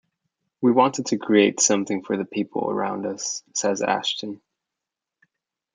"We wanted to create something for the people around us," says Ashton.